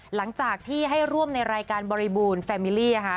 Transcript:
หลังจากที่ให้ร่วมในรายการบริบูรณ์แฟมิลี่